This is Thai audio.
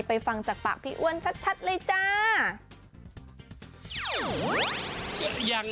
ฟังจากปากพี่อ้วนชัดเลยจ้า